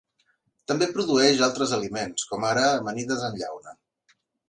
També produeix altres aliments com ara amanides en llauna.